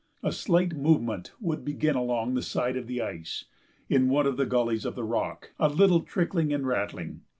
A slight movement would begin along the side of the ice, in one of the gullies of the rock, a little trickling and rattling.